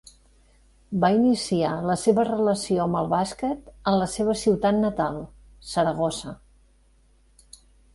Va iniciar la seva relació amb el bàsquet en la seva ciutat natal, Saragossa.